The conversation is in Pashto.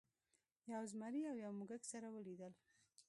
یو زمري او یو موږک سره ولیدل.